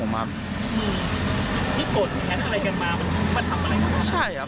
อืมที่กดแทนอะไรกันมามันทำอะไรกันครับ